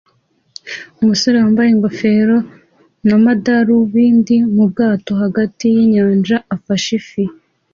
Umusore wambaye ingofero n'amadarubindi mu bwato hagati y'inyanja afashe ifi